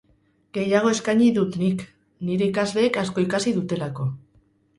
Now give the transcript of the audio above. Gehiago eskaini dut nik, nire ikasleek asko ikasi dutelako.